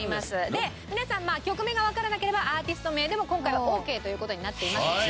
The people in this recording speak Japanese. で皆さん曲名がわからなければアーティスト名でも今回はオーケーという事になっていますので。